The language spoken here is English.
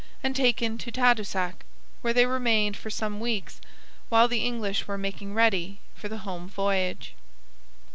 ] and taken to Tadoussac, where they remained for some weeks while the English were making ready for the home voyage.